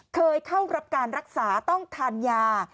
เคยเข้ารับการรักษาต้องทานยา